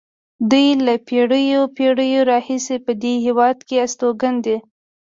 دوی له پېړیو پېړیو راهیسې په دې هېواد کې استوګن دي.